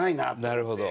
なるほど。